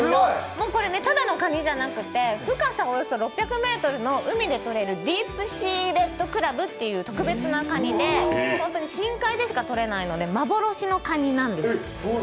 ただのかにじゃなくて深さ６００ｍの海でとれる海で取れるディープシーレッドクラブという特別なかにで、本当に深海でしかとれないので幻のかになんです。